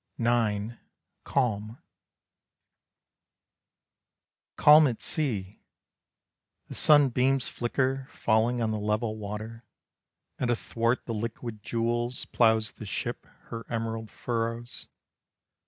IX. CALM. Calm at sea! The sunbeams flicker Falling on the level water, And athwart the liquid jewels Ploughs the ship her emerald furrows.